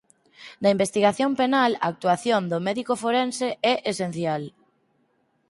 Na investigación penal a actuación do médico forense é esencial.